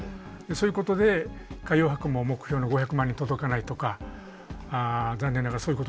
そういうことで海洋博も目標の５００万人届かないとか残念ながらそういうことになったと。